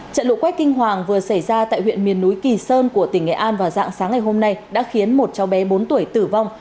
trận lũ quét kinh hoàng vừa xảy ra tại huyện miền núi kỳ sơn của tỉnh nghệ an vào dạng sáng ngày hôm nay đã khiến một cháu bé bốn tuổi tử vong